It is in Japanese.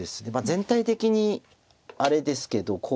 全体的にあれですけど。